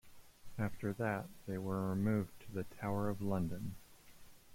After that, they were removed to the Tower of London.